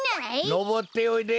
のぼっておいで。